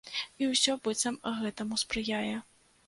І ўсё, быццам, гэтаму спрыяе.